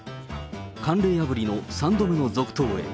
慣例破りの３度目の続投へ。